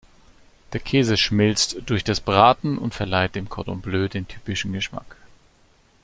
Der Käse schmilzt durch das Braten und verleiht dem Cordon bleu den typischen Geschmack.